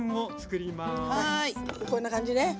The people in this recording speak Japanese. こんな感じね。